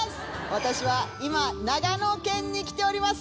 私は今、長野県に来ております。